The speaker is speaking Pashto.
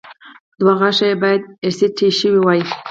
دوه غاښه يې باید ار سي ټي شوي وای